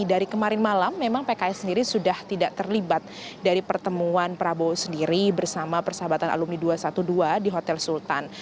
dari kemarin malam memang pks sendiri sudah tidak terlibat dari pertemuan prabowo sendiri bersama persahabatan alumni dua ratus dua belas di hotel sultan